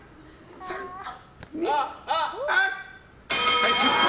はい、失敗！